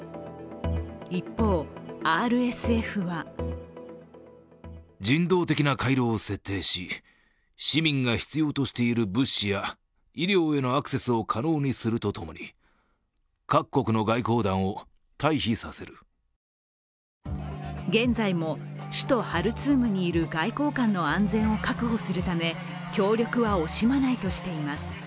一方、ＲＳＦは現在も首都ハルツームにいる外交官の安全を確保するため協力は惜しまないとしています。